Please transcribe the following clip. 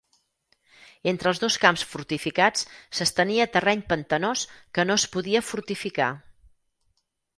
Entre els dos camps fortificats s'estenia terreny pantanós que no es podia fortificar.